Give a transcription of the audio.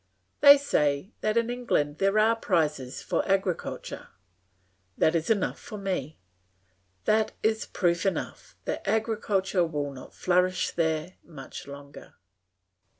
They say that in England there are prizes for agriculture; that is enough for me; that is proof enough that agriculture will not flourish there much longer.